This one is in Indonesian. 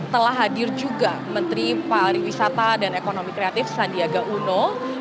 telah hadir juga menteri pariwisata dan ekonomi kreatif sandiaga uno